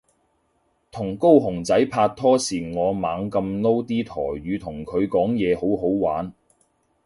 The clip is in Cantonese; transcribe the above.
同高雄仔拍拖時我猛噉撈啲台語同佢講嘢好好玩